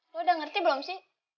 lo udah ngerti belum sih